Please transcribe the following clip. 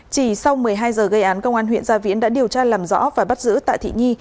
chỉ sau một mươi hai giờ gây án công an huyện gia viễn đã điều tra làm rõ và bắt giữ tạ thị nhi